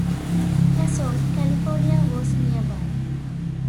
Kasson, California was nearby.